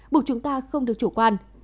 buộc chúng ta không được chủ quan